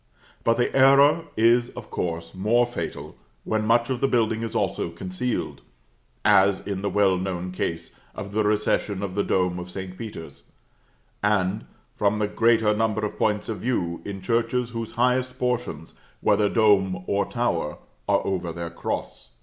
But the error is, of course, more fatal when much of the building is also concealed; as in the well known case of the recession of the dome of St. Peter's, and, from the greater number of points of view, in churches whose highest portions, whether dome or tower, are over their cross.